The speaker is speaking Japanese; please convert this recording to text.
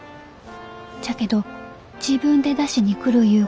じゃけど自分で出しに来るいう